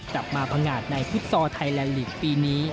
กลับมาพังงาดในฟุตซอร์ไทยแลนดลีกปีนี้